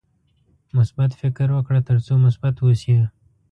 مثبت فکر وکړه ترڅو مثبت اوسې.